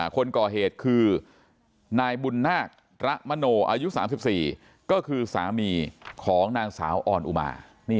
คนก่อเหตุคือนายบุญนาคระมโนอายุ๓๔ก็คือสามีของนางสาวออนอุมา